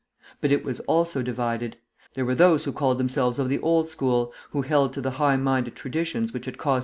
But it was also divided. There were those who called themselves of the old school, who held to the high minded traditions which had caused M.